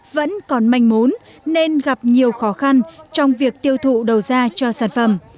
vẫn còn manh mốn nên gặp nhiều khó khăn trong việc tiêu thụ đầu ra cho sản phẩm